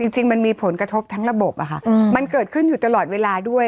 จริงมันมีผลกระทบทั้งระบบมันเกิดขึ้นอยู่ตลอดเวลาด้วย